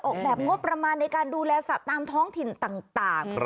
ออกแบบงบประมาณในการดูแลสัตว์ตามท้องถิ่นต่าง